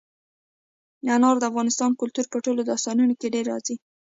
انار د افغان کلتور په ټولو داستانونو کې ډېره راځي.